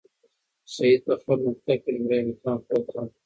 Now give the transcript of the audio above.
سعید په خپل مکتب کې لومړی مقام خپل کړ.